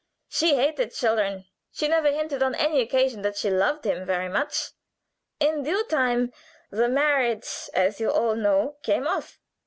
She hated children. She never on any occasion hinted that she loved him very much. "In due time the marriage, as you all know, came off.